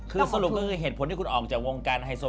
คือสรุปก็คือเหตุผลที่คุณออกจากวงการไฮโซ